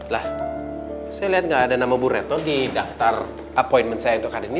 lah saya lihat gak ada nama bu retno di daftar appointment saya untuk hari ini